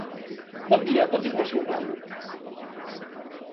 Bon dia, pot dir-me el seu nom?